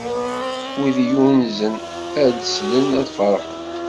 Wid yunzen ad d-slen, ad ferḥen!